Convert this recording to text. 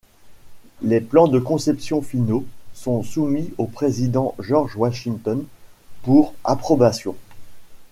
Les plans de conception finaux sont soumis au président George Washington pour approbation.